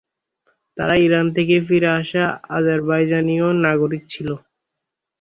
তারা ইরান থেকে ফিরে আসা আজারবাইজানীয় নাগরিক ছিল।